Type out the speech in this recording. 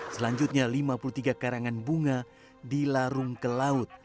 selanjutnya lima puluh tiga karangan bunga dilarung ke laut